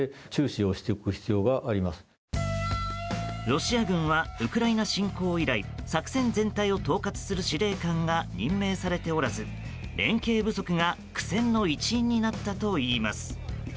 ロシア軍はウクライナ侵攻以来作戦全体を統括する司令官が任命されておらず連携不足が苦戦の一因になったといいます。